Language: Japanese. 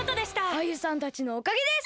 アユさんたちのおかげです！